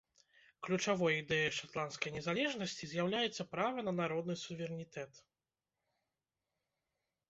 Ключавой ідэяй шатландскай незалежнасці з'яўляецца права на народны суверэнітэт.